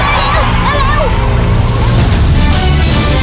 สวัสดีครับ